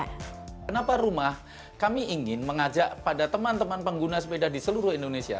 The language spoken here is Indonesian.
kenapa rumah kami ingin mengajak pada teman teman pengguna sepeda di seluruh indonesia